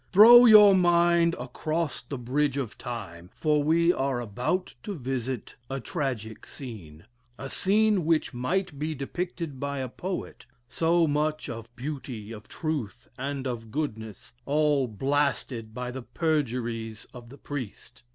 Throw your mind across the bridge of time, for we are about to visit a tragic scene a scene which might be depicted by a poet so much of beauty, of truth, and of goodness, all blasted by the perjuries of the priest.